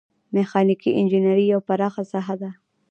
میخانیکي انجنیری یوه پراخه ساحه ده.